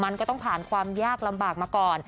มันก็ต้องผ่านความยากลำบากมาก่อน